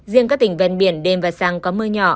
riêng các tỉnh ven biển đêm và sáng có mưa nhỏ